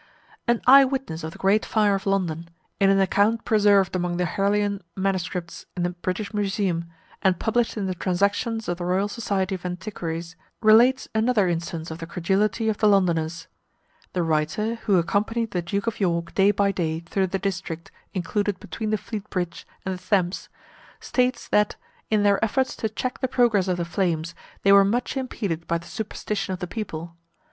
An eye witness of the great fire of London, in an account preserved among the Harleian Mss. in the British Museum, and published in the transactions of the Royal Society of Antiquaries, relates another instance of the credulity of the Londoners. The writer, who accompanied the Duke of York day by day through the district included between the Fleet bridge and the Thames, states that, in their efforts to check the progress of the flames, they were much impeded by the superstition of the people.